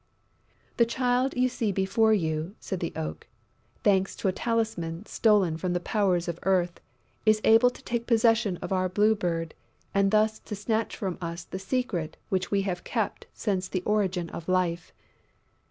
"The child you see before you," said the Oak, "thanks to a talisman stolen from the powers of Earth, is able to take possession of our Blue Bird and thus to snatch from us the secret which we have kept since the origin of life....